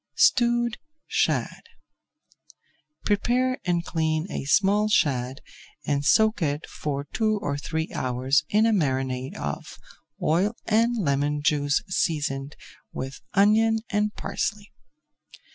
STEWED SHAD Prepare and clean a small shad and soak it for two or three hours in a marinade of oil and lemon juice seasoned with onion and parsley.